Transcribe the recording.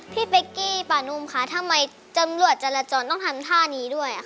เป๊กกี้ป่านุ่มคะทำไมตำรวจจราจรต้องทำท่านี้ด้วย